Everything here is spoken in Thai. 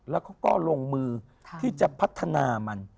แล้วเขาก็ลงมือที่จะพัฒนามัน